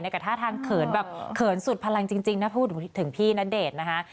กับท่าทางเขินแบบเขินสุดพลังจริงนะพูดถึงพี่ณเดชน์นะคะ